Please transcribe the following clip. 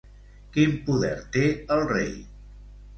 Quin poder té el rei?